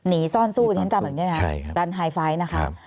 หนีซ่อนสู้จำเป็นอย่างยังไงรันไฮไฟล์นะครับ